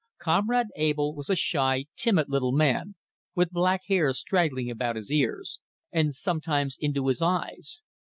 Comrade Abell was a shy, timid little man, with black hair straggling about his ears, and sometimes into his eyes.